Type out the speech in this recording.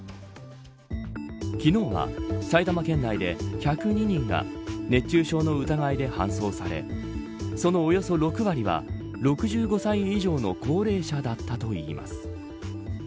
昨日は、埼玉県内で１０２人が熱中症の疑いで搬送されそのおよそ６割は６５歳以上の高齢者だったといいます。